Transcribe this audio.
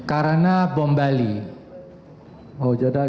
karena pembali di bali